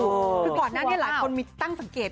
คือก่อนหน้านี้หลายคนมีตั้งสังเกต